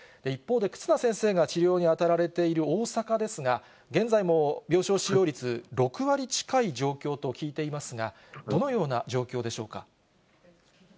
一方で、忽那先生が治療に当たられている大阪ですが、現在も病床使用率６割近い状況と聞いていますが、どのような状況でしょうか。